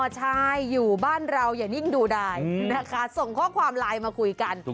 ใช่อยู่บ้านเราอย่านิ่งดูได้นะคะส่งข้อความไลน์มาคุยกัน